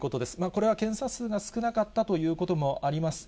これは検査数が少なかったということもあります。